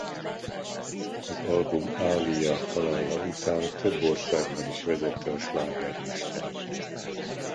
Az album Aaliyah halála után több országban is vezette a slágerlistát.